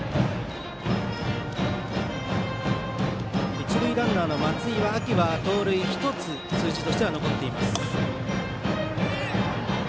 一塁ランナーの松井は秋は盗塁１つ数字としては残っています。